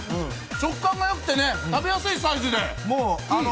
食感が良くてね、食べやすいサイズで。